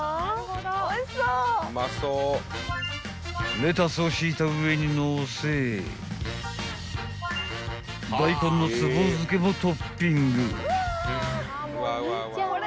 ［レタスを敷いた上にのせ大根のつぼ漬けをトッピング］